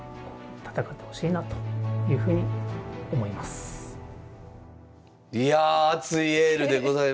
おお。いや熱いエールでございました。